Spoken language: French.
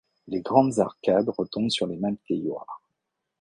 Les grandes arcades retombent sur les mêmes tailloirs.